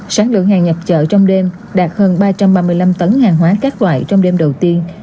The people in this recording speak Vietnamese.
sáng lượng hàng nhập chợ trong đêm đạt hơn ba trăm ba mươi năm tấn hàng hóa các loại trong đêm đầu tiên